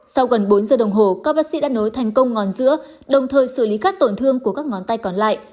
sau gần bốn giờ đồng hồ các bác sĩ đã nối thành công ngòn sữa đồng thời xử lý các tổn thương của các ngón tay còn lại